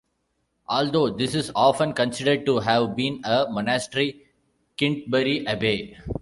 Although this is often considered to have been a monastery, Kintbury Abbey.